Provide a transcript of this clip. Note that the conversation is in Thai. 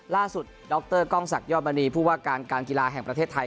ล่าสุดด็อกเตอร์ก้องสักย่อมณีผู้ว่าการการกีฬาแห่งประเทศไทย